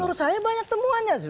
menurut saya banyak temuannya